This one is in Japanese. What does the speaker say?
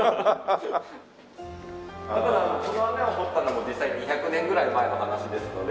だからこの穴を掘ったのも実際２００年ぐらい前の話ですので。